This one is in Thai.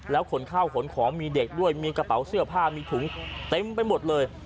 ขนข้าวขนของมีเด็กด้วยมีกระเป๋าเสื้อผ้ามีถุงเต็มไปหมดเลย